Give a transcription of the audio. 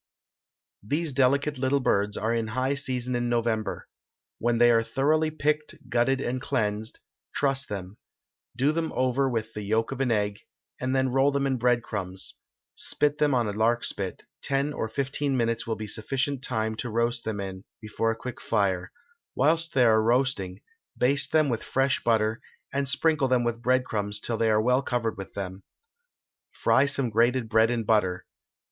These delicate little birds are in high season in November. When they are thoroughly picked, gutted, and cleansed, truss them; do them over with the yolk of an egg, and then roll them in breadcrumbs; spit them on a lark spit; ten or fifteen minutes will be sufficient time to roast them in, before a quick fire; whilst they are roasting, baste them with fresh butter, and sprinkle them with breadcrumbs till they are well covered with them. Fry some grated bread in butter.